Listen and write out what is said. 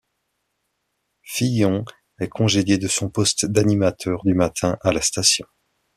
Fillion est congédié de son poste d'animateur du matin à la station.